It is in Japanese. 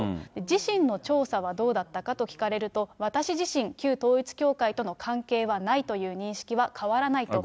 自身の調査はどうだったかと聞かれると、私自身、旧統一教会との関係はないという認識は変わらないと。